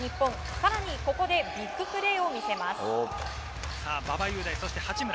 更にここでビッグプレーを見せます。